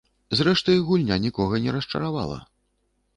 Зрэшты, гульня нікога не расчаравала.